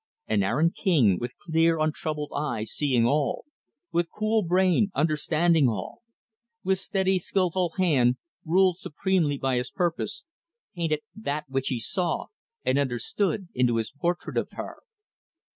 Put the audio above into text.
And Aaron King, with clear, untroubled eye seeing all; with cool brain understanding all; with steady, skillful hand, ruled supremely by his purpose, painted that which he saw and understood into his portrait of her.